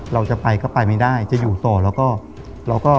เราจะไปก็ไปไม่ได้จะอยู่ต่อแล้วก็เราก็